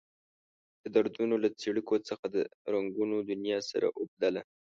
د دردونو له څړیکو څخه د رنګونو دنيا سره اوبدله.